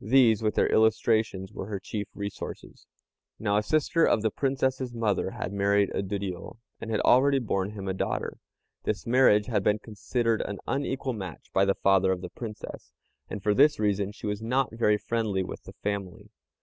These, with their illustrations, were her chief resources. Now a sister of the Princess's mother had married a Duriô, and had already borne him a daughter. This marriage had been considered an unequal match by the father of the Princess, and for this reason she was not very friendly with the family.